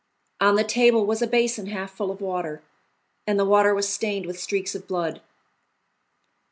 On the table was a basin half full of water, and the water was stained with streaks of blood.